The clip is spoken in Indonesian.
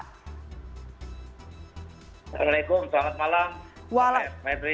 assalamualaikum selamat malam